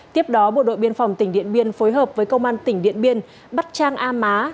tiếp đó bộ đội biên phòng tỉnh điện biên phối hợp với công an tỉnh điện biên bắt trang a má